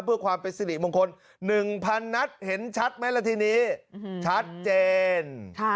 เพื่อความเป็นซี่หลีมงคลหนึ่งพันนะครับเห็นชัดไหมละทีนี้ชัดเจน